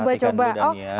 dipanitikan dulu daniar